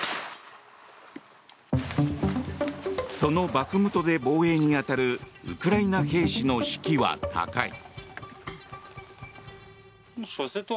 そのバフムトで防衛に当たるウクライナ兵士の士気は高い。